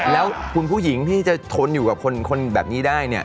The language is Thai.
แล้วคุณผู้หญิงที่จะทนอยู่กับคนแบบนี้ได้เนี่ย